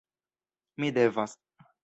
Mi devas...